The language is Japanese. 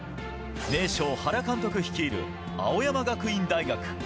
名将・原監督率いる青山学院大学。